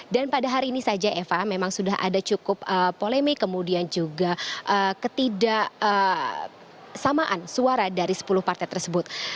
dan pada hari ini saja eva memang sudah ada cukup polemik kemudian juga ketidaksamaan suara dari sepuluh partai tersebut